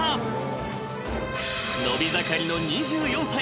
［伸び盛りの２４歳］